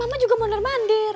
eh mama juga mundar mandir